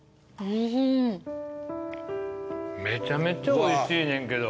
めちゃめちゃおいしいねんけど。